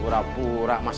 pura pura jadi pembantu